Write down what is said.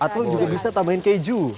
atau juga bisa tambahin keju